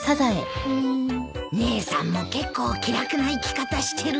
姉さんも結構気楽な生き方してるな。